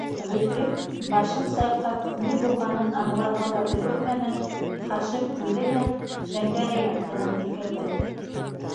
Ғифрит башын сайҡап, ни булғанын аңларға ла өлгөрмәне - Хашим үҙе лә Шәңгәрәй артынан һикерҙе.